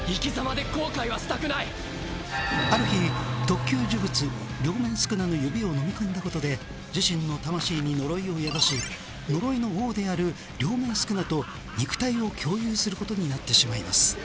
仁はある日特級呪物両面宿儺の指を飲み込んだことで自身の魂に呪いを宿し呪いの王である両面宿儺と肉体を共有することになってしまいます